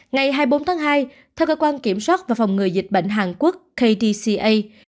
ngày hai mươi bốn tháng hai theo cơ quan kiểm soát và phòng ngừa dịch bệnh hàn quốc kdca